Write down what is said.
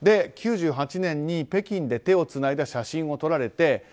９８年に北京で手をつないで写真を撮られ